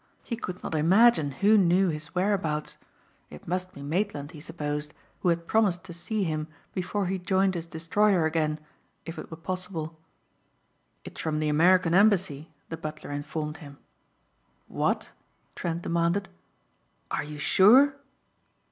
He could not imagine who knew his whereabouts. It must be Maitland, he supposed, who had promised to see him before he joined his destroyer again if it were possible. "It's from the American Embassy," the butler informed him. "What?" Trent demanded. "Are you sure?"